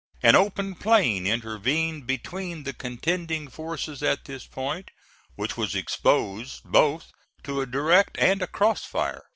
An open plain intervened between the contending forces at this point, which was exposed both to a direct and a cross fire.